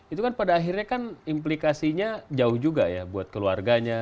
itu kan pada akhirnya kan implikasinya jauh juga ya buat keluarganya